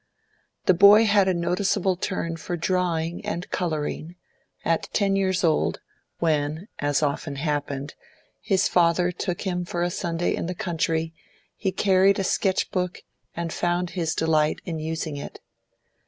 The boy had a noticeable turn for drawing and colouring; at ten years old, when (as often happened) his father took him for a Sunday in the country, he carried a sketch book and found his delight in using it.